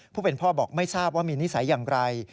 ผู้เป็นพ่อบอกไม่ทราบว่ามีนิสัยอย่างไร